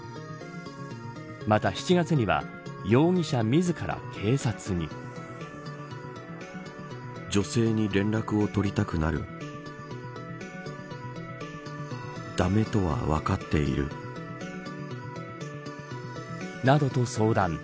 また、７月には容疑者自ら警察に。などと相談。